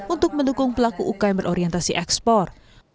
untuk mendukung pelaku ukm berorientasi ekspor